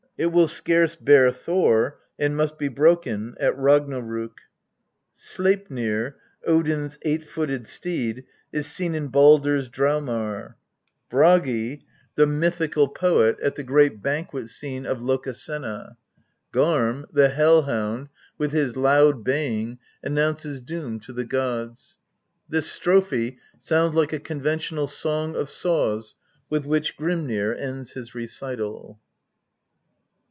It will scarce bear Thor, and must be broken at Ragnarok. Sleipnir, Odin's eight footed steed, is seen in Baldr's Draumar ; Bragi, the mythical C C Kvm THE POETIC EDDA. poet, at the great banquet scene of Lokasenna ; Garm, the Hel hound, with his loud baying, announces Doom to the gods. This strophe sounds like a conventional Song of Saws with which Grimnir ends his recital.